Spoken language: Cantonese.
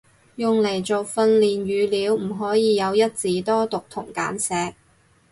用嚟做訓練語料唔可以有一字多讀同簡寫